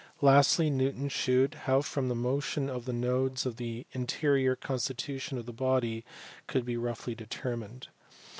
Lastly Newton shewed how from the motion of the nodes the interior constitution of the body could be roughly determined.